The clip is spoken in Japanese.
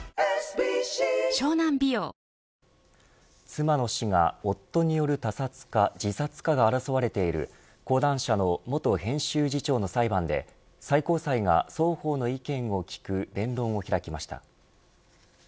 妻の死が夫による他殺か自殺かが争われている講談社の元編集次長の裁判で最高裁が双方の意見を聞く弁論を開きました。